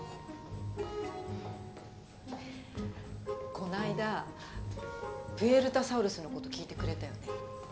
こないだプエルタサウルスのこと聞いてくれたよね？